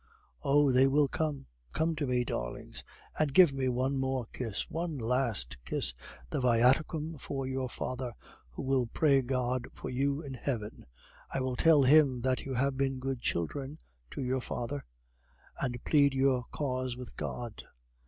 "Oh! they will come! Come to me, darlings, and give me one more kiss; one last kiss, the Viaticum for your father, who will pray God for you in heaven. I will tell Him that you have been good children to your father, and plead your cause with God!